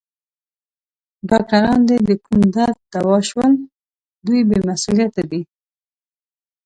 ډاکټران دي د کوم درد دوا شول؟ دوی بې مسؤلیته دي.